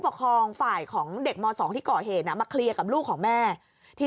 ปกครองฝ่ายของเด็กม๒ที่ก่อเหตุมาเคลียร์กับลูกของแม่ที่